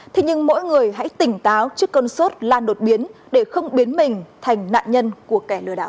thế nhưng mỗi người hãy tỉnh táo trước cơn sốt lan đột biến để không biến mình thành nạn nhân của kẻ lừa đảo